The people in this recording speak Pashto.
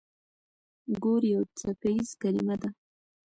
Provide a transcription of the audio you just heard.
ګور يو څپيز کلمه ده.